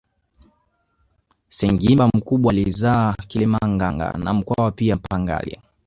Sengimba mkubwa aliwazaa Kilemaganga na Mkwawa pia Mpangile